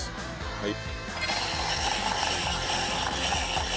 はい。